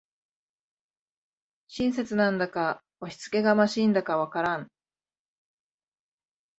親切なんだか押しつけがましいんだかわからん